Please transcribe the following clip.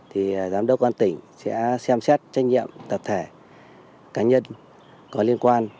thì giám đốc công an tỉnh sẽ xem xét trách nhiệm tập thể cá nhân có liên quan